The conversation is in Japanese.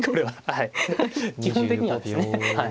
はい。